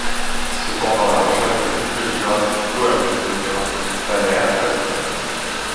Cependant la recherche du plus petit graphe hypohamiltonien planaire reste ouverte.